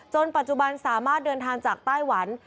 ปัจจุบันสามารถเดินทางจากไต้หวัน